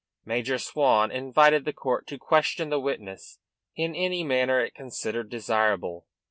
Major Swan invited the court to question the witness in any manner it considered desirable.